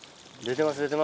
出てます。